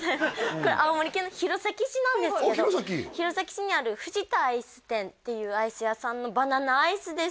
これ青森県の弘前市なんですけどあっ弘前っていうアイス屋さんのバナナアイスです